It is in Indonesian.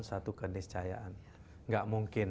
satu keniscayaan tidak mungkin